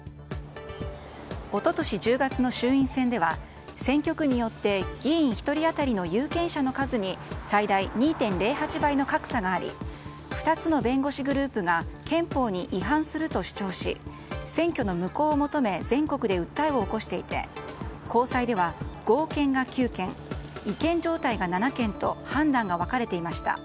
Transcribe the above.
一昨年１０月の衆院選では選挙区によって議員１人当たりの有権者の数に最大２．０８倍の格差があり２つの弁護士グループが憲法に違反すると主張し選挙の無効を求め全国で訴えを起こしていて高裁では合憲が９件違憲状態が７件と判断が分かれていました。